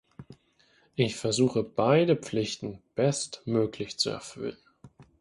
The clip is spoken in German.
Ich versuche beide Pflichten bestmöglich zu erfüllen.